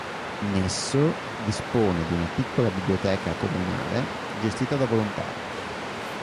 Nesso dispone di una piccola biblioteca comunale gestita da volontari.